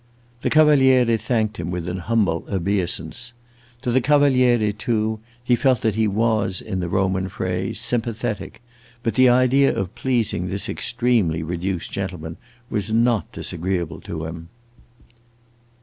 The Cavaliere thanked him with an humble obeisance. To the Cavaliere, too, he felt that he was, in Roman phrase, sympathetic, but the idea of pleasing this extremely reduced gentleman was not disagreeable to him.